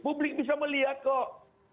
publik bisa melihat kok